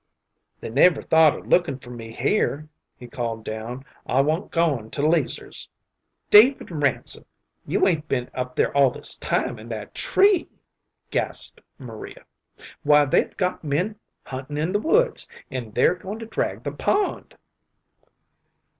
"They never thought of lookin' for me here," he called down. "I wa'n't goin' to 'Leazer's." "David Ransom, you 'ain't been up there all this time, in that tree!" gasped Maria. "Why, they've got men huntin' in the woods, and they're goin' to drag the pond."